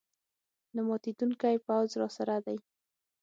نه ماتېدونکی پوځ راسره دی.